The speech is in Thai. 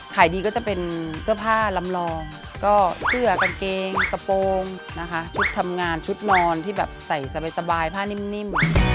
ขายดีก็จะเป็นเสื้อผ้าลำรองก็เสื้อกางเกงกระโปรงนะคะชุดทำงานชุดนอนที่แบบใส่สบายผ้านิ่ม